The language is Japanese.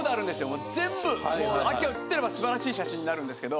もう全部晶紀が写ってれば素晴らしい写真になるんですけど。